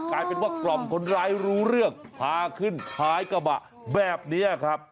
กลายเป็นว่ากล่อมคนร้ายรู้เรื่องพาขึ้นท้ายกระบะแบบนี้ครับ